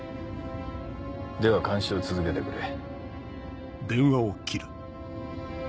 では監視を続けてくれ。